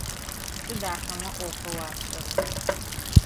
Сыд ахэмэ ӏофэу ашӏэрэр?